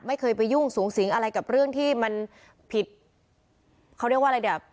ไม่เคยไปยุ่งสูงสิงอะไรกับเรื่องที่มันผิดเขาเรียกว่าอะไรแบบ